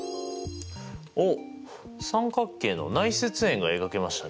おっ三角形の内接円が描けましたね。